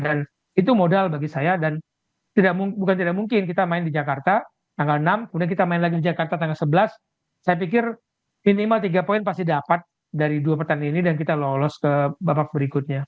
dan itu modal bagi saya dan bukan tidak mungkin kita main di jakarta tanggal enam kemudian kita main lagi di jakarta tanggal sebelas saya pikir minimal tiga poin pasti dapat dari dua pertandingan ini dan kita lolos ke babak berikutnya